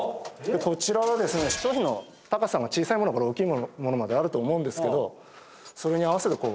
こちらは商品の高さが小さいものから大きいものまであると思うんですけどそれに合わせてこう。